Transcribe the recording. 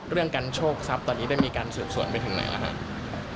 เรื่องการโชคทรัพย์ตอนนี้ได้มีการสืบสวนไปถึงไหนแล้วครับ